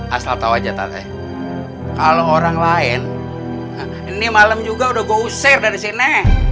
asal tau aja tate kalo orang lain ini malem juga udah gue usir dari sini